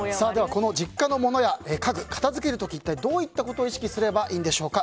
この実家の物や家具片づける時どういったことを意識すればいいんでしょうか。